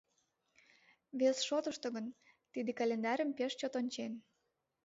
Вес шотышто гын, тиде календарьым пеш чот ончен.